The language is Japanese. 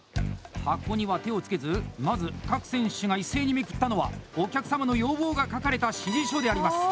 箱には手をつけず、まず各選手が一斉にめくったのはお客様の要望が書かれた指示書であります！